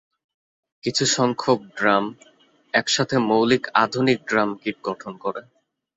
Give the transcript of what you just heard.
কিছুসংখ্যক ড্রাম একসাথে মৌলিক আধুনিক ড্রাম কিট গঠন করে।